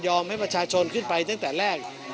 ให้ประชาชนขึ้นไปตั้งแต่แรก